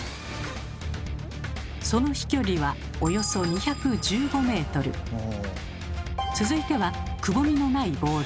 その飛距離は続いてはくぼみのないボール。